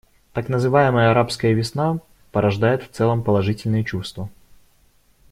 Так называемая «арабская весна» порождает в целом положительные чувства.